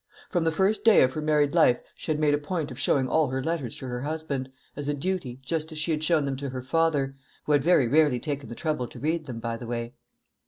From the first day of her married life she had made a point of showing all her letters to her husband, as a duty, just as she had shown them to her father; who had very rarely taken the trouble to read them, by the way.